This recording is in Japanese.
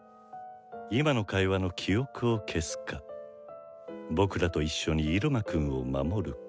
今の会話の記憶を消すか僕らと一緒に入間くんを守るか。